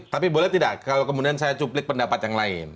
tapi boleh tidak kalau kemudian saya cuplik pendapat yang lain